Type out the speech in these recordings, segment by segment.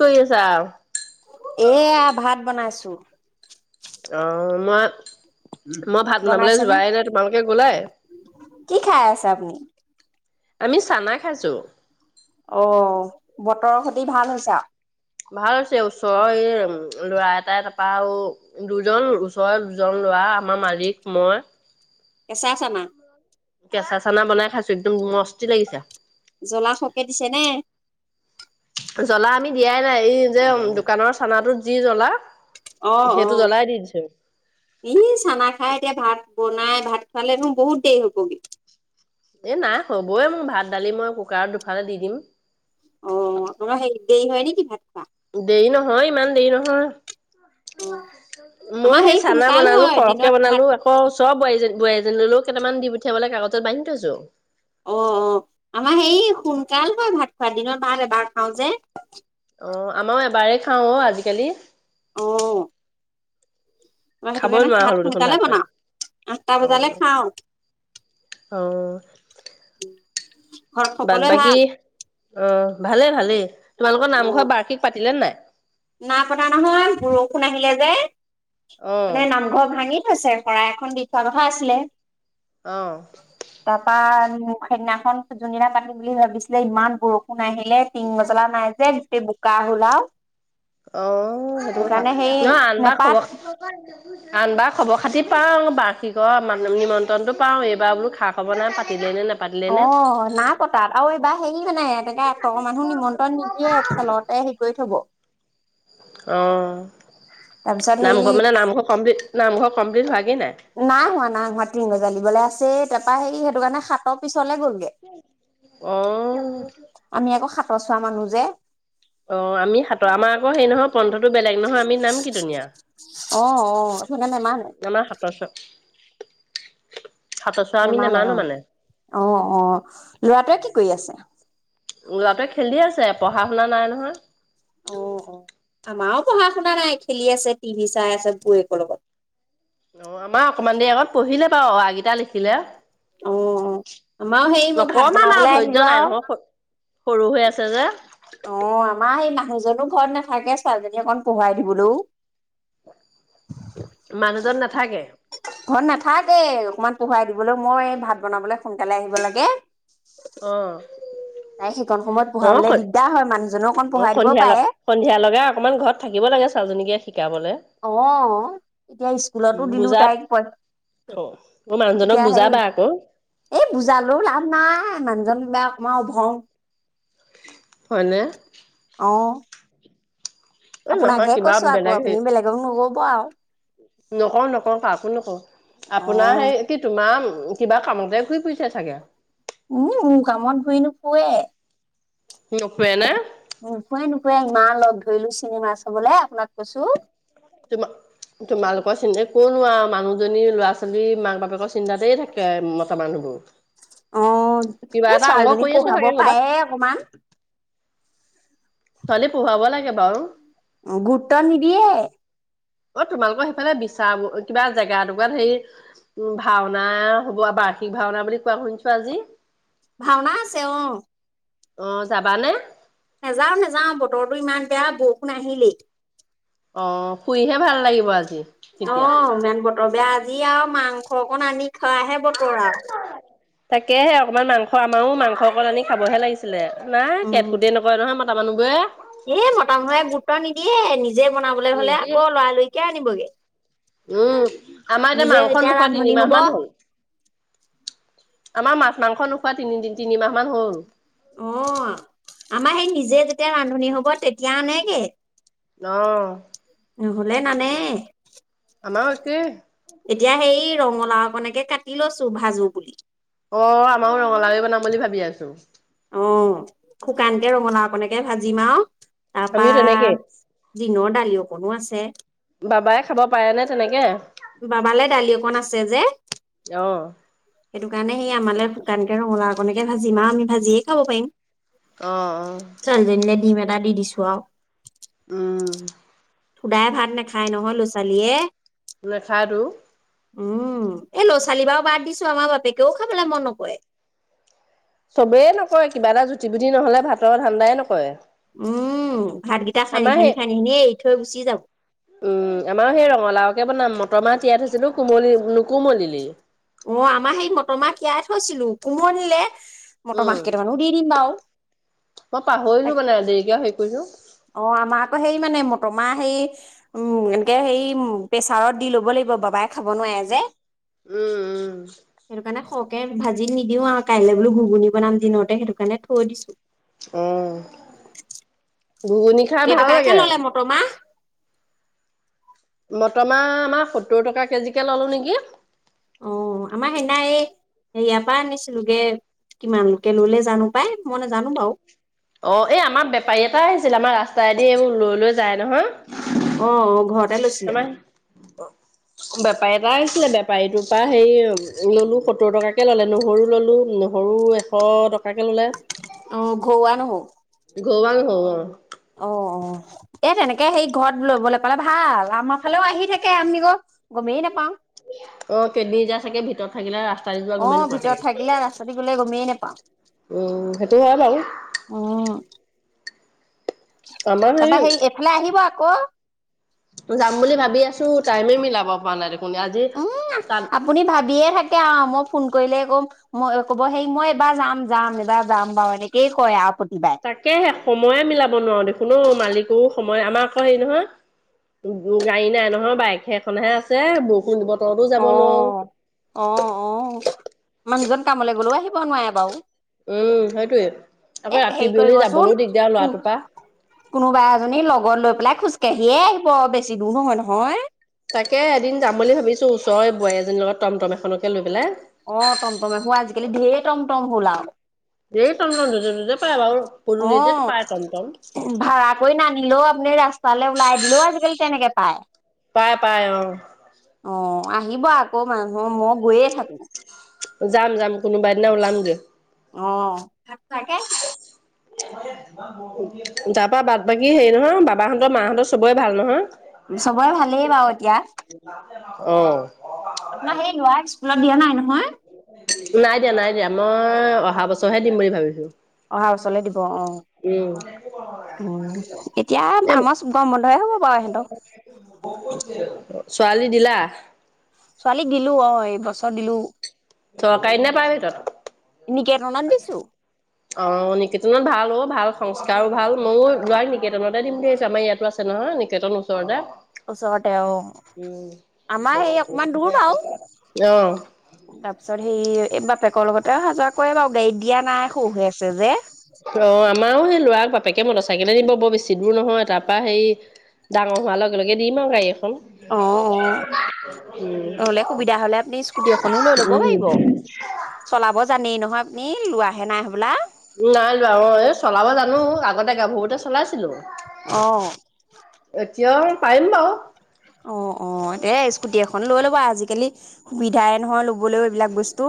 কৰি আছা? এয়া ভাত বনাইছো আহ মই মই ভাত বনাবলৈ বনাইছেনে যোৱাই নাই তোমালোকে গলাই কি খাই আছে আপুনি আমি চানা খাইছো অ বতৰৰ সতি ভাল হৈছে আৰু ভাল হৈছে ওচৰৰ এই ল'ৰা এটাই তাৰপৰা দুজন ওচৰৰ দুজন ল'ৰা আমাৰ মালিক মই কেঁচা চানা কেঁচা চানা বনাই খাইছো একদম মস [unintelligible] জলা শকে দিছে নে জ্বলা আমি দিয়াই নাই এই যে দোকানৰ চানাটোত যি জ্বলা অ অ সেইটো জ্বলাই দি দিছো। ই চানা খাই এতিয়া ভাত বনাই ভাত খোৱালে মো বহুত দেৰি হ'ব এ নাই হ'বই মোক ভাত দালি মই কুকাৰত দুফালে দি দিম অ তোমাৰ সেই দেৰি হয় নেকি ভাত খোৱা দেৰী ন হয় ইমান দেৰি নহয় অ আমাৰ মই হেৰি সেই চানা সোনকাল বনালো হয় সৰহকে দিনত ভাত বনালো আকৌ চব বোৱাৰীজনী বু এজনীলৈলেও কেইটান দি পঠিয়াবলে কাগত ব্ধ থৈছো [unintelligible] অ অ আমাৰ সেই সোনকাল হয়ই ভাত খোৱা দিনত বাৰ এবাৰ খাও যে অ আমাৰও এবাৰে খাও অ আজিকালি আহ তাৰ সেইটো খাবই কাৰণে নোৱাৰা হলো ভাত দেখোন সোনকালে পানী। বনাও আঠটা অ বজালে খাও অ ঘৰত বাদ সকলোৱে বাকী ভাল অ ভালে ভালেই তোমালোকৰ নাম ঘৰত বাৰ্ষিক পাতিলে নাই না কতা নহয় বৰষুণ আহিলে যে অ মানে নামঘৰ ভাঙি থৈছে । শৰাই এখন দি থোৱা কথা আছিলে অ । তাৰপা মোক সেইদিনাখন যোনদিনা পাতিম বুলি ভাবিছিলে ইমান বৰষুণ নাহিলে পিং মজলা নাই যে গোটেই বু কা হলা অ' সেইটো কথা নহয়, আনবাৰ নেপাত খবৰ, আনবাৰ খবৰ-খাতি পাও, বাৰ্ষিকৰ নিমন্ত্ৰণটো পাও, এইবাৰ বোলো খা- খবৰ নাই পাতিলে নে নাপাতি অ' নাই পতা আৰু এইবাৰ হেৰি নাই এনেকে তলৰ মানুহ নিমন্ত্ৰণ নিদিয়ে, খেলতে হেৰি কৰি থব । তাৰপিছত অহ। হেৰি নামঘৰ মানে নামঘৰ কমপ্লিট নামঘৰ। কমপ্লিট হোৱাগেই নাই হোৱা, নাই হোৱা, টিং গজালিবলৈ আছে । সেই তাৰপা হেৰি সেইটো কাৰণে সাতৰ পিছত অহ। প্ৰচোৱা মানুহ যে অ'আমি সাতৰ আমাৰ আকৌ হেৰি মই নহয় পন্থটো বেলেগ নহয় আমি আকৌ নাম কিৰ্ত্তনিয়া অ অ সেইকাৰণে নেমানে প্ৰচাদ নেমানে অ'- অ'-অ' ল'ৰাটোৱে কি কৰি আছে? ল'ৰাটোৱে খেলি আছে পঢ়া-শুনা নাই নহয় । অ'-অ' আমাৰো পঢ়া-শুনা নাই, খেলি আছে, টিভি চাই আছে বৌৱেকৰ লগত অ' আমাৰ অকমান দেৰি আগত পঢ়িলে বাৰু অ', আ কিটা লিখিলে । অ' আমাৰ হেৰি মই ভাত অকমান আৰু বনাবলৈ ধৈৰ্য্য আহিলো নাই আৰু নহয় সৰু হৈ আছে যে অ' আমাৰ সেই মানুহজনো ঘৰত নাথাকে, ছোৱালীজনী অকণ পঢ়ুৱাই দিবলৈও মানুহজন নাথাকে। সেই অকমান পঢ়ুৱাই দিবলৈ, মই ভাত বনাবলৈ সোনকালে আহিব লাগে । সেইকণ সময়ত অ'-অ'-ক পঢ়াবলৈ দিগদাৰ হয় মানুহজনো অকণ অ' পঢ়াই দিব সন্ধিয়া পাৰে লগা সন্ধিয়া লৈকে অকমান ঘৰত থাকিব লাগে ছোৱালীজনীকে শিকাবলে। অ' এতিয়া স্কুলতো দিলো বুজা তাইক, পই অ' মানুহজনক এতিয়া হেই বুজাবা আকৌ এই বুজালো লাভ নাই । মানুহজন বা অকমান অভং হয়নে অ এই নহয় আপোনাকহে কিবা কৈছো আকৌ আপুনি বেলেগক নকব আও নকও নকও কাকো নকও আপোনাৰ অ', হেই কি তোমাৰ কিবা কামতে ঘুৰি ফুৰিছে চাগে উম মোৰ কামত ঘূই নুফুৱে নুফুৰে না ৱে ইমান লগ ধৰিলো চিনেমা চাবলে আপোনাক কৈছো। তোমা তোমালোক মই চিন্তা কৰিলোৱাও মানুহজনী ল'ৰা ছোৱালী মাক বাপেকৰ চিন্তাতেই থাকে মতা মানুহবোৰ অ কিবা এই এটা অংগ ছোৱালীজনীক কৰি আছে পঢ়াব চাগে কৰ'বাত পাৰে অকমান ছোৱালী পহোৱাব লাগে বাও অ গুৰুত্ব নিদিয়ে অ তোমালোকৰ সেইফালে বিচাৰ কিবা জেগা এটোকোৰাত হেই উ ভাওনা হব বাৰ্ষিক ভাওনা বুলি কোৱা শুনিছো আজি ভাওনা আছে অ অ যাবানে নেযাও নেযাও বতৰটো ইমান বেয়া বৰষুণ আহিলেই অ শুইহে ভাল লাগিব আজি অ তেতিয়া। মেন বতৰ বেয়া আ জি আও মাংস অকণ আনি খোৱাহে বতৰ আও তাকেহে অকমান মাংস আমাৰো মাংস অকণ আনি খাবহে লাগিছিলে নাই কেটকুটে নকৰে নহয় ম টা মানুহবোৰে এ মতা মহে গুৰুত্ব নিদিয়ে নি জে বনাবলৈ উম হলে আকৌ লৰালৰিকে আনিবগে উম আমাৰ এতিয়া মাংস নিজে যেতিয়া নোখোৱা ৰান্ধনি তিনিমাহ হব মান হ'ল। আমাৰ মাছ মাংস নোখোৱা তিনিদিন অ আমাৰ সেই নি নিজে যেতিয়া ৰান্ধনী হ'ব তেতিয়া আনেগে অ নহলে নানে আমাও একে এতিয়া সেই ৰঙালাওকণকে কাটি লৈছো ভাজো বুলি অ আমাৰো ৰঙালাওৱে বনাম বুলি ভাবি আছো আহ শুকানকে ৰঙালাও অকনেকে ভাজিম আও তাৰপা আমিও তেনেকেই দিনৰ দালি অকণো আছে বাবাই খাব পাৰে নে তেনেকে বাবালৈ দালি অকন আছে যে অ সেইটো কাৰণে সি আমে শুকানকে ৰোওল আপকে ভাজিমা, আমি ভাজিয়ে খাব পাৰিম। অ অ চল দিলে [unintelligible] দিি ম দ দিি দি [unintelligible] ছোৱা উম। খুদাই ভাত নাখায় নহয় ল'ৰা ছোৱালীয়ে। নেখায়'তু। উম, এই ল'ৰা ছোৱালী বাৰু বাদ দিছো, আমাৰ বাপেকেও খাবলৈ মন নকৰে। চবেই নকয়, কিবা এটা জু টিভিটি নহ'লে ভাতৰ ধান্দাই নকৰে। উম, ভাতকেইটা খান্ি আমাৰ খান্ি সেই খান্ি, এনেই থৈ গুচি যাব। তে বনাম, মটৰ মাহ তিয়াই থৈছিলো, কোমলি নুকোমলিলেই। অঁ আমাৰ সেই মটৰমাহ তিয়াই থৈছিলো, কোমলিলে। মটৰ উম, মাহ কেইটামানো দি দিম বাৰু। মই পাহৰিলো মানে আজৰিকে হৈ কৰিবো [unintelligible] অঁ আমাৰ আকৌ সেই মানে মটমা হেই, উম, এনেকে হেৰি, প্ৰেছাৰত দি লব লাগিব, বাবাই খাব নোৱাৰে যে। উম, সেইটো কাৰণে শখ তাকে ভাজি নিদিও আৰু, কাইলৈ বোলো ঘুগুনি বনাম দিনতে, সেইটো কাৰণে থৈ দিছো। অঁ। ঘুগুনি খাই ভাল কেইটকাকে লাগে। ললে মটৰ মাহ মটৰমাহ আমাৰ সত্তৰ টকা কেজিকে ললো নেকি। অঁ, আমাৰ সেদিনা এই, হেইয়াৰ পৰা আনিছিলগে, কিমানকে ললে জানো পাই, মই নেজানো বাৰু। অঁ এই আমাৰ বেপাৰী এটাই আহিছিল, আমাৰ ৰাস্তাইদি এইবোৰ লৈ লৈ যায় নহয়। অ' অ' ঘৰতে লৈছিলে? আমাৰ বেপাৰী এটা আহিছিলে, বেপাৰীটোৰ পৰা হেৰি ললো সত্তৰ টকাকে ললে, নহৰু ললো, নহৰু এশ টকাকে ললে অঁ ঘউৱা নহউ? ঘৰুৱা নহউ, অঁ। অ'-অ', এ তেনেকে সেই ঘৰত লবলৈ পালে ভাল, আমাৰ ফালেও আহি থাকে আমি ক গমেই নাপাওঁ। অঁ কেইদিন যায় চাগে ভিতৰত থাকিলে ৰাস্তাদি যোৱা অ গমেই নোপোৱা ভিতৰত চাগে। থাকিলে ৰাস্তাদি গলে গমেই নাপাওঁ উম, সেইটো হয় বাৰু। আমাৰ সেই তাপা হেই এফালে আহিব আকৌ। যাম বুলি ভাবি আছো, টাইমে মিলাব পৰা নাই দেখো উম আপুনি ভাবিয়ে থাকে আৰু, মোক ফোন কৰিলে ক'ম, মই ক'ব হেই মই এবাৰ যাম যাম, এবাৰ যাম বাৰু, এনেকেই কয় আউ তাকেহে সময়ে মিলাব নোৱাৰো দেখোন অ, মালিকও সময় মই আমাৰ আকৌ হেৰি নহয়, গ-গাড়ী নাই নহয়, বাইক সেইখনহে আছে। বৰষুণ বত অ অ অ মানুহজন কামলৈ গ'লেও আহিব নোৱাৰে। বাউ। উম সেইটোয়ে আকৌ এ ৰাতি হেৰি বিয়লি কৰিবচোন যাবলৈও দিগদাৰ ল'ৰাটোৰ পৰা কো- কোনোবা এজনী লগত লৈ পেলাই খোজ কেহীয়ে আহিব বেছি দূৰ নহয় নহয়। তাকে এদিন যাম বুলি ভাবিছো, ওচৰে বোৱাৰী এজনী লগত টমটম এখনকে লৈ পেলাই। অ টম টম আকৌ আজিকালি ঢেৰ টম টম হ'ল আও। এই টমটম য'তে ত'তে পায় বাৰু অ পদূলিতে পায় টমটম ভা়ৰা কৰি নানিলেও আপুনি ৰাস্তালৈ ওলাই দিলেও আজিকালি তেনেকে পায়। পায় পায় অ। অ আহিব আকৌ মানুহ মই গৈয়ে থাকো। যাম যাম কোনোবা এদিনা ওলাম গে। অ তাকে। তাৰ পৰা বাট বাকী হেৰি নহয়, বাবাহতৰ মাহঁতৰ সবৰে ভাল নহয়? চবৰে ভালেই বাও এতিয়া। অঁ। আপনা হেই [unintelligible] দিয়া নাই নহয়? নাই দিয়া, নাই দিয়া, মই অহা বছৰহে দিম বুলি ভাবিছো। অহা বছ। উম এ ছোৱালী দিলা? ছোৱালীক দিলো অ এই বছৰ দিলো। চৰকাৰী নে প্ৰাইভেটত? নিকেতনত দিছো অ নিকেতনত ভাল অ ভাল। সংস্কাৰো ভাল, ময়ো লৱাক নিকেতনতে দিম বুলি ভাবিছোঁ আমাৰ ইয়াতো আছে নহয় নিকেতন ওচৰতে। ওচৰতে অ উম আমাৰ সেই অকমান দূৰ বাও। অ তাৰপিছত সেই এই বাপেকৰ লগতে অহা যোৱা কৰে বাও গাড়ীত দিয়া নাই সৰু হৈ আছে যে। অ। আমাৰো সেই ল'ৰাক বাপেকে মটৰ চাইকলে নিব বৰ বেছি দূৰ নহয়। তাৰ পৰা সেই ডাঙৰ হোৱাৰ লগে লগে দিম আৰু গাড়ী এ অ অ উম নহ'লে সুবিধা হলে আপুনি স্কুটি এখনো লৈ লব পাৰিব। উম চলাব জানেই নহয়। [unintelligible] লোৱাহে নাই হবলা? নাই লো অ ।এই চলাব জানো আগতে গাভৰুতে চলাইছিলোঁ। অহ। এতিয়াও পাৰিম বাও। অ অ এ স্কুটি এখন লৈ ল'ব আজিকালি সুবিধাই নহয় লবলৈও এইবিলাক বস্তু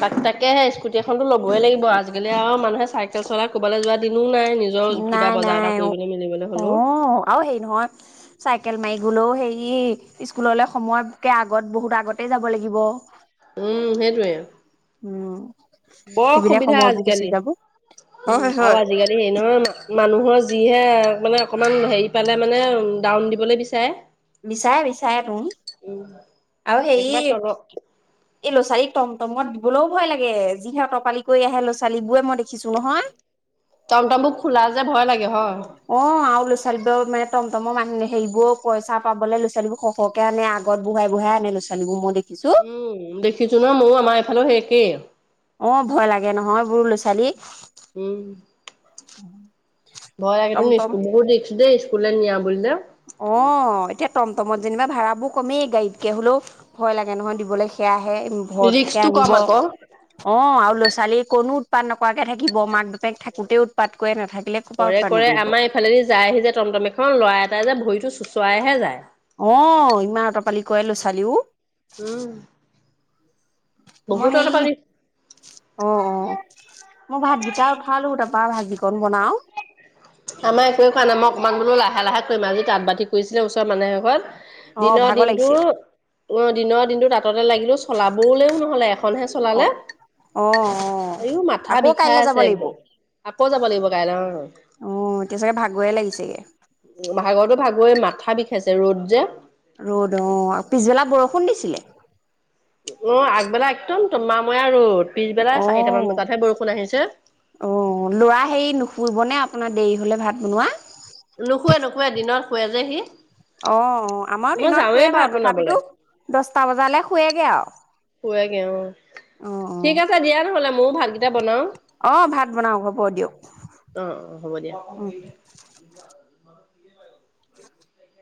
তাক তাকে সে স্কুটি এখনতো লবই লাগিব আজিকালি আৰু মানুহে চাইকেল চলাই ক'বালৈ যোৱা দ নাই নাই মেলিবলৈ অ হ'লেও আৰু হেৰি নহয় চাইকেল মাৰি বোলোও হেৰি স্কুললৈ সময়কে আগত বহুত আগতে যাব লাগিব উম সেইটোৱে উম বৰ সেইপিনে সুবিধা সময়বোৰ গুচি আজিকালি যাব হয় আৰু হয় আজিকালি হেৰি নহয় মানুহৰ যিহে তাক মানে অকণমান হেৰি পালে মানে ডাউন দিবলৈ বিচাৰে বিচাৰে বিচাৰে তুমি উম আৰু সে একেবাৰে তলৰ এই ল'ৰা ছাৰীক টমটমত বোলেও ভয় লাগে যিহঁ তৰ পালি কৰি আহে ল'ৰা ছোৱালীবোে মই দেখিছো নহয় । টমটম বু খোলা যে ভয় লাগে হয় । অ আৰুলো ল' ছোৱালীোৰ মানে মৰ মানহেবোৰ পইা পাব লৰা ছোৱালীোৰ সহে আগ ব়াই বঢ়াই আনে লৰা ছোৱালীোৰ মই দেখ উম দেখিছো ন ময় আমাৰ এইফালেও সে অকেই অ ভয় লাগে নহয় বোৰ ল'ৰা ছোৱালী উম ভয় লাগে টমটম বহুত ৰিক্স দেই স্কুললৈ নিয়া বুলি দে অ এতিয়া তম টমত যেনিবা ভাড়াবোৰ কমেই গাড়তকে হলেওয় লাগে নহয় দিবলৈ সেয়া আহে আহে ভৰতিকে ৰিক্সটো আনিব কম আকৌ। অ আৰু ল'ৰা ছোৱালী কোনো পন কৰে নাথাকিলে ক'ৰ পৰা কৰে উৎপাত কৰে নকৰিব আমাৰ এইফালেদি যায় আহি যে টমটম এখন লৰা এটাই যে ভৰিতো চুচৰাইহে যায় অ ইমান তৰ -পালি কৈলো ছোৱালীও উম মই বহুত তহঁতৰ হেৰি ফালে অ অ মই ভাতকিটা উঠালো তাৰ পাৰ ভাজি আমাৰ একোৱে খোৱা নাই মই অকমান বোলোও লা ভালা কৰি মাজ তাঁ বাতিছিলে ওচৰ মানুহ এঘৰত অ দিনৰ ভাগৰ দিনটো লাগিছে অ দিনৰ দিনটো তততে লাগিলো চলাবলৈও নহলে এখনহে অ চলালে অ অ এই মাথা আকৌ বিষাই কাইলৈ আছে যাব লাগিব একদম আকৌ যাব লাগিব অ এতিয়া চাগে ভাগৰে লাগিছেগে ভাগৰটো ভাগৰে মাথা বিষাইছে ৰ'দ যে ৰ'দ অ পিছবেলা বৰষুণ দিছিলে অ আগবেলা একদম তোমাময় ৰ'দ পিছবেলা অ চাৰিটামান বজাতহে বৰষুণ আহিছে। অ লৰা হেৰি নুশুৰিবনে আে দেৰি হ'লে ভাত বনোৱা নোশুৱে নোশুৱে দিনত শুৱে যে সি অ আমাৰ মই দিনত শুৱে যাওঁৱেই ভাত বাৰু তথাপিতো বনাবলৈ দছটা বজালে শুৱেগে আৰু শুৱেগে অ অ ঠিক আছে দিয়া নহলে ময়ো ভাতকেইটা বনাও অ অ ভাত বনাও হ'ব দিয়ক অ অ হ'ব দিয়া অ [inaudible]